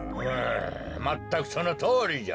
まったくそのとおりじゃ。